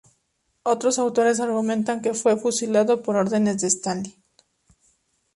Otros autores argumentan que fue fusilado por órdenes de Stalin.